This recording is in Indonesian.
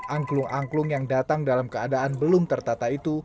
angklung angklung yang datang dalam keadaan belum tertata itu